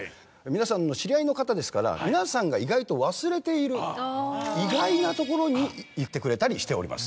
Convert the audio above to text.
皆さんの知り合いの方ですから皆さんが意外と忘れている意外な所に行ってくれたりしております。